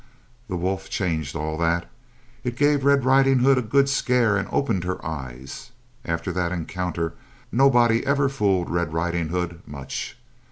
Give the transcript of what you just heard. The wolf changed all that. It gave Red Riding Hood a good scare and opened her eyes. After that encounter nobody ever fooled Red Riding Hood much.